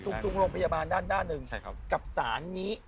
ตรงโรงพยาบาลด้านหนึ่งกับสารนี้